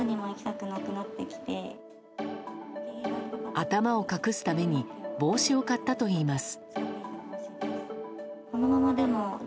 頭を隠すために帽子を買ったと言います。